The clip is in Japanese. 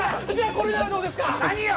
これならどうですか何よ！？